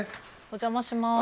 お邪魔します。